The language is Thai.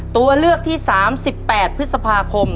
ตัวเลือกที่สามสิบแปดพฤษภาคม